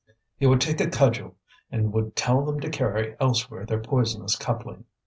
He would take a cudgel, and would tell them to carry elsewhere their poisonous coupling.